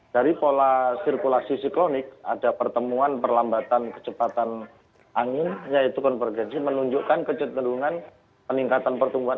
dari pola sirkulasi siklonik ada pertemuan perlambatan kecepatan angin yaitu konvergensi menunjukkan kecenderungan peningkatan pertumbuhan